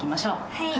はい！